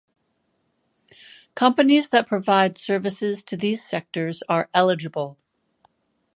Companies that provide services to these sectors are eligible.